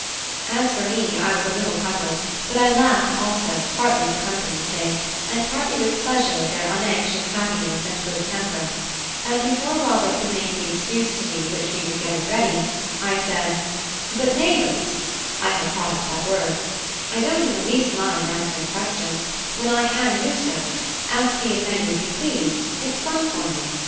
As for me, I was a little puzzled, but I laughed also, partly for company's sake, and partly with pleasure at their unanxious happiness and good temper; and before Robert could make the excuse to me which he was getting ready, I said: "But neighbours" (I had caught up that word), "I don't in the least mind answering questions, when I can do so: ask me as many as you please; it's fun for me.